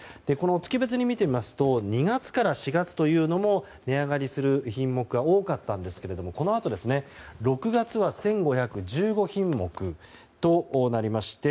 月別に見ると２月から４月というのも値上がりする品目が多かったんですがこのあと６月は１５１５品目となりまして